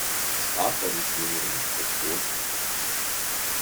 Gespart werden könne nur an den Produktionskosten.